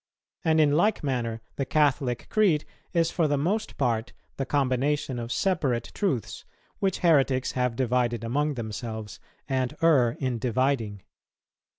And in like manner the Catholic Creed is for the most part the combination of separate truths, which heretics have divided among themselves, and err in dividing.